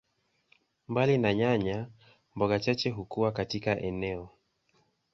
Mbali na nyanya, mboga chache hukua katika eneo.